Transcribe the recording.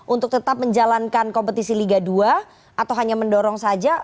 untuk tetap menjalankan kompetisi liga dua atau hanya mendorong saja